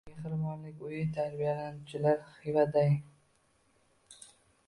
Mehribonlik uyi tarbiyalanuvchilari Xivadang